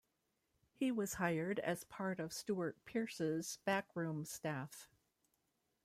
He was hired as part of Stuart Pearce's backroom staff.